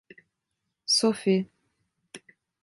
Sophie.